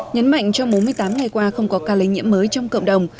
nhấn mạnh trong bốn mươi tám ngày qua không có ca lây nhiễm mới trong cộng đồng